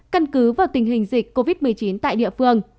căn cứ vào tình hình dịch covid một mươi chín tại địa phương